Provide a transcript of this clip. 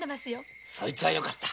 そいつはよかった。